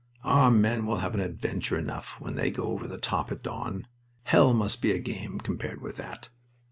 "Our men will have adventure enough when they go over the top at dawn. Hell must be a game compared with that."